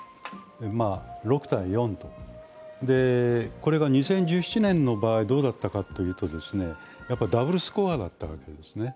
６対４、これが２０１７年の場合どうだったかというと、ダブルスコアだったわけですね。